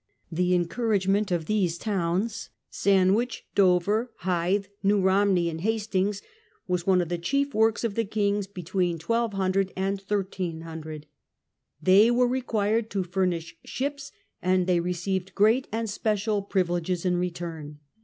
The encouragement of these towns. Sandwich, Dover, Hythe, New Romney, and Hastings, was one of the chief works of the kings between 1 200 and 1 300. They were required to furnish ships, and they received great and special privileges in return.